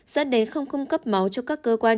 dẫn đến không cung cấp máu cho các cơ quan